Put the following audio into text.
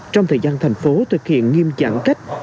trong thời gian thành phố thực hiện nghiêm giãn cách